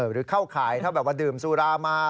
หรือเข้าข่ายถ้าแบบว่าดื่มสุรามา